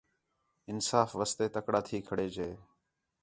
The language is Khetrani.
انصاف واسطے تکڑا تھی کھڑے جے